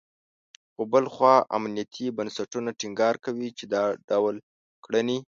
خو بل خوا امنیتي بنسټونه ټینګار کوي، چې دا ډول کړنې …